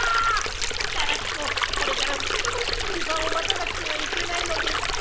ガラピコこれからふつかもビービルさんをまたなくてはいけないのですか？